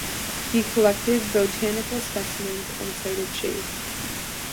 He collected botanical specimens and so did she.